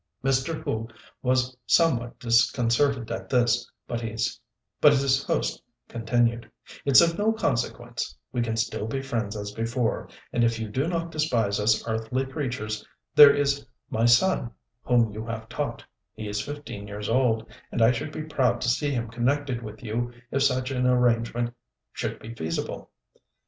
Mr. Hu was somewhat disconcerted at this, but his host continued, "It's of no consequence; we can still be friends as before, and if you do not despise us earthly creatures, there is my son whom you have taught; he is fifteen years old, and I should be proud to see him connected with you if such an arrangement should be feasible."